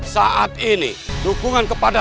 saat ini dukungan kepada